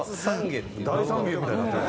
大三元みたいになってる。